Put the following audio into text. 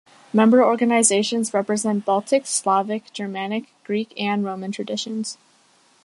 Member organizations represent Baltic, Slavic, Germanic, Greek and Roman traditions.